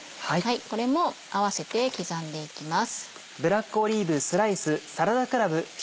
これも併せて刻んでいきます。